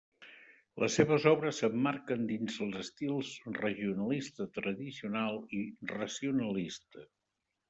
Les seves obres s'emmarquen dins els estils regionalista tradicional i racionalista.